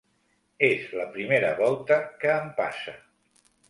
És la primera volta que em passa.